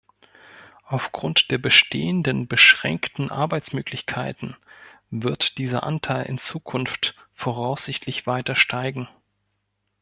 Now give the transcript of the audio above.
Aufgrund der bestehenden beschränkten Arbeitsmöglichkeiten wird dieser Anteil in Zukunft voraussichtlich weiter steigen.